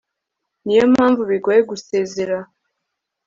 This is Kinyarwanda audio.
niyo mpamvu bigoye gusezera